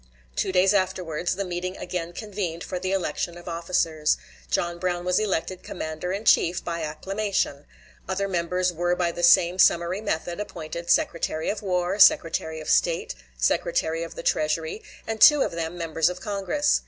Two days afterwards, the meeting again convened for the election of officers; John Brown was elected commander in chief by acclamation; other members were by the same summary method appointed secretary of war, secretary of state, secretary of the treasury, and two of them members of congress.